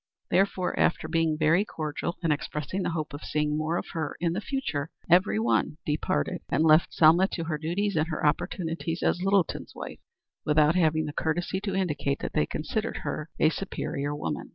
Therefore after being very cordial and expressing the hope of seeing more of her in the future, every one departed and left Selma to her duties and her opportunities as Littleton's wife, without having the courtesy to indicate that they considered her a superior woman.